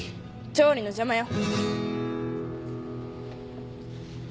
調理の邪魔よ。